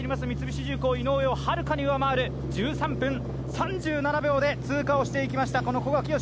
三菱重工・井上をはるかに上回る１３分３７秒で通過していきました。